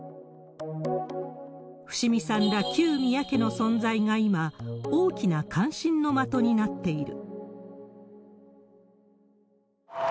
伏見さんら、旧宮家の存在が今、大きな関心の的になっている。